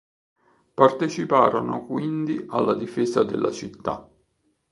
Parteciparono quindi alla difesa della città.